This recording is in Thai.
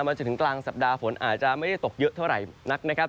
จนถึงกลางสัปดาห์ฝนอาจจะไม่ได้ตกเยอะเท่าไหร่นักนะครับ